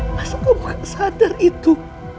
masa kamu gak sadar itu